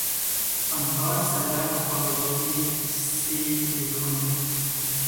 آنها صدف خوراکی صید میکنند.